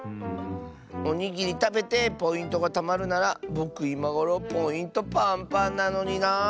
おにぎりたべてポイントがたまるならぼくいまごろポイントパンパンなのにな。